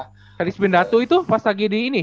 haris bindatu itu pas lagi di ini